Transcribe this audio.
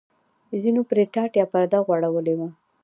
ځینو پرې ټاټ یا پرده غوړولې وه.